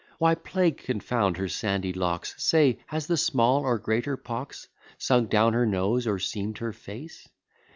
Why, plague confound her sandy locks! Say, has the small or greater pox Sunk down her nose, or seam'd her face?